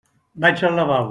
Vaig al lavabo.